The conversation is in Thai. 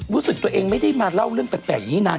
รู้สึกตัวเองไม่ได้มาเล่าเรื่องแปลกอย่างนี้นาน